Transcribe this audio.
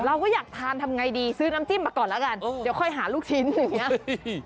เราก็อยากทานทำไงดีซื้อน้ำจิ้มมาก่อนแล้วกันเดี๋ยวค่อยหาลูกชิ้นอย่างนี้